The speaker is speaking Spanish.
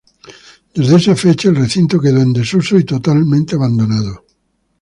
Desde esa fecha, el recinto quedó en desuso y total abandono.